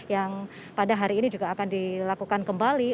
yang pada hari ini juga akan dilakukan kembali